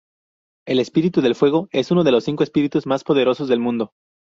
El Espíritu del Fuego es uno de los cinco espíritus más poderosos del mundo.